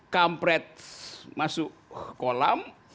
kampret masuk kolam